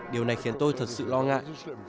điều này khiến tôi thật sự lo ngại